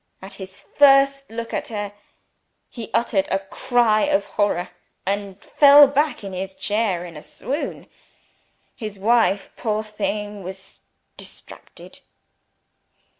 At his first look at her, he uttered a cry of horror, and fell back in his chair in a swoon. His wife, poor thing, was distracted.